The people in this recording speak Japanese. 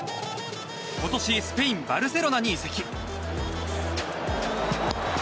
今年スペイン・バルセロナに移籍。